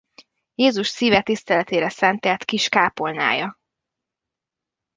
Jézus szíve tiszteletére szentelt kis kápolnája.